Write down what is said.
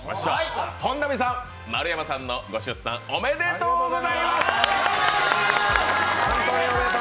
本並さん、丸山さんのご出産おめでとうございます。